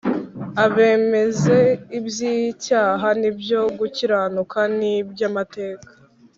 abemeze iby'icyaha n'ibyo gukiranuka n'iby'amateka;